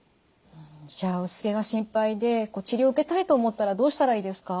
じゃあ薄毛が心配で治療を受けたいと思ったらどうしたらいいですか？